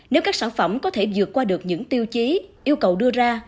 nếu các sản phẩm có thể dược qua được những tiêu chí yêu cầu đưa ra